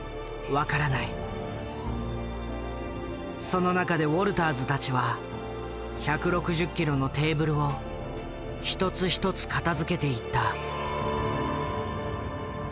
その中でウォルターズたちは１６０キロのテーブルを一つ一つ片づけていった。